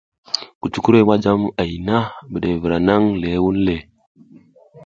Kucukuroy ma jam ay na, mbiɗevra naƞʼha ləh wunle.